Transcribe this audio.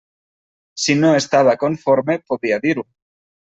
Si no estava conforme, podia dir-ho.